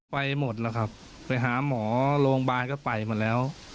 หมดแล้วครับไปหาหมอโรงพยาบาลก็ไปหมดแล้ว